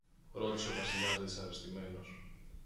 ρώτησε ο Βασιλιάς δυσαρεστημένος.